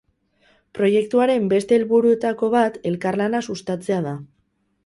Proiektuaren beste helburuetako bat elkarlana sustatzea da.